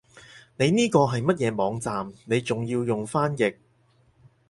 你呢個係乜嘢網站你仲要用翻譯